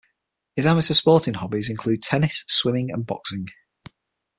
His amateur sporting hobbies include tennis, swimming and boxing.